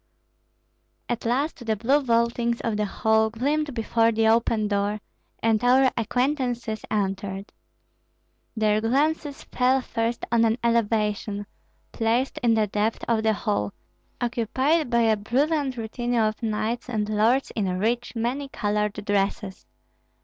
At last the blue vaultings of the hall gleamed before the open door, and our acquaintances entered. Their glances fell first on an elevation, placed in the depth of the hall, occupied by a brilliant retinue of knights and lords in rich, many colored dresses.